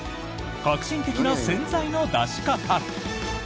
革新的な洗剤の出し方。